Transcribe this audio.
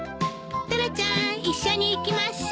タラちゃーん一緒に行きましょ。